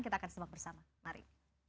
kita akan simak bersama mari